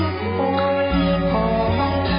ทรงเป็นน้ำของเรา